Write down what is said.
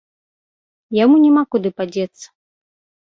Яму няма куды падзецца.